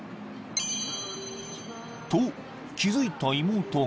［と気付いた妹が］